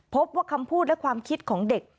พบว่าคำพูดและความคิดของเด็ก